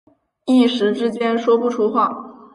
一时之间说不出话